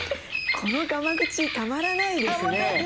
このがま口たまらないですね。